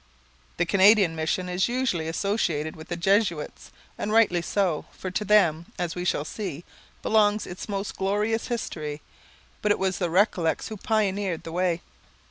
The Canadian mission is usually associated with the Jesuits, and rightly so, for to them, as we shall see, belongs its most glorious history; but it was the Recollets who pioneered the way.